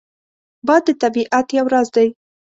باد د طبیعت یو راز دی